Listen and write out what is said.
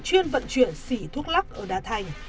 chuyên vận chuyển sỉ thuốc lắc ở đà thành